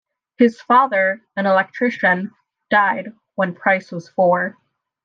His father, an electrician, died when Price was four.